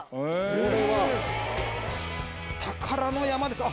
これは、宝の山です。